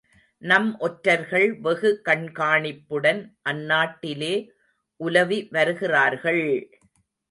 நம் ஒற்றர்கள் வெகு கண்காணிப்புடன் அந்நாட்டிலே உலவி வருகிறார்கள்!